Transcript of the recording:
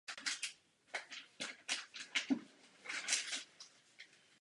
Obal knihy a ilustrace ke každé jednotlivé povídce vytvořili Milan Malík a Daniel Špaček.